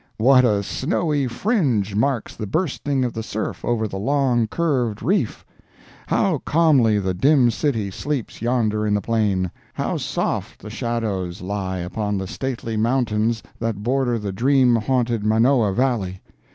What a snowy fringe marks the bursting of the surf over the long, curved reef! How calmly the dim city sleeps yonder in the plain! How soft the shadows lie upon the stately mountains that border the dream haunted Manoa Valley!